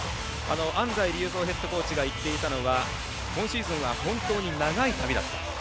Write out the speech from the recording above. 安齋竜三ヘッドコーチが言っていたのは今シーズンは本当に長い旅だった。